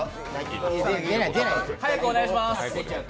早くお願いします。